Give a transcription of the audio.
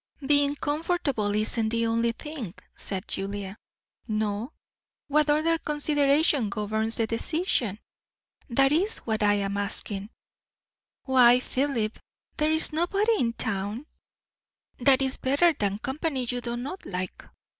"Being comfortable isn't the only thing," said Julia. "No. What other consideration governs the decision? that is what I am asking." "Why, Philip, there is nobody in town." "That is better than company you do not like."